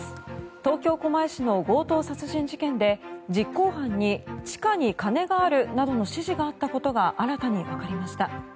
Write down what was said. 東京・狛江市の強盗殺人事件で実行犯に地下に金があるなどの指示があったことが新たにわかりました。